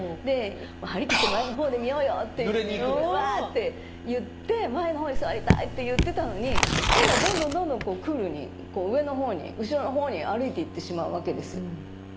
はりきって「前のほうで見ようよ」ワーッていって「前のほうに座りたい」って言ってたのに彼はどんどんどんどんクールに上のほうに後ろのほうに歩いていってしまうわけですよ